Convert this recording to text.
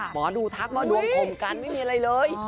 หมอดูทักมาดวงถ่มกันไม่มีอะไรเลย